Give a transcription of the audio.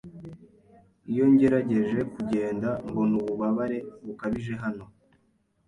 Iyo ngerageje kugenda, mbona ububabare bukabije hano.